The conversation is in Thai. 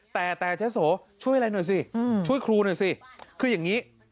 แต่แต่เจ๊โสช่วยอะไรหน่อยสิช่วยครูหน่อยสิคืออย่างนี้